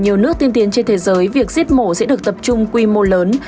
nhiều nước tiên tiến trên thế giới việc giết mổ sẽ được tập trung quy mô lớn